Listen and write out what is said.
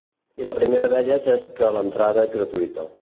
I la primera d’elles és que l’entrada és gratuïta.